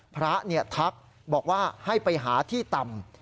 ทักบอกว่าให้ไปหาที่ต่ำ